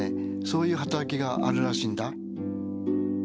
そういう働きがあるらしいんだ。